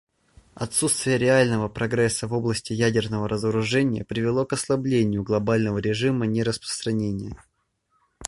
Отсутствие реального прогресса в области ядерного разоружения привело к ослаблению глобального режима нераспространения.